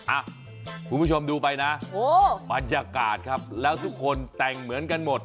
อ่ะคุณผู้ชมดูไปนะบรรยากาศครับแล้วทุกคนแต่งเหมือนกันหมด